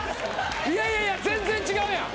いやいやいや全然違うやん。